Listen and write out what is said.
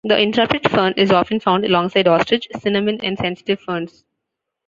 The interrupted fern is often found alongside ostrich, cinnamon and sensitive ferns.